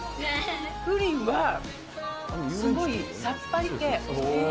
プリンは、すごいさっぱり系。